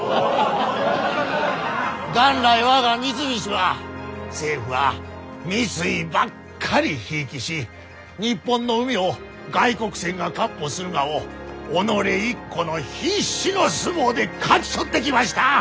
元来我が三菱は政府が三井ばっかり贔屓し日本の海を外国船が闊歩するがを己一個の必死の相撲で勝ち取ってきました。